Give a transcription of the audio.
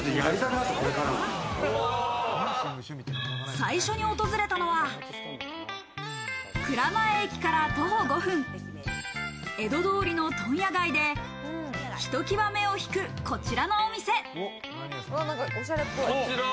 最初に訪れたのは蔵前駅から徒歩５分、江戸通りの問屋街でひときわ目を引くこちらのお店。